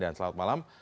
dan selamat malam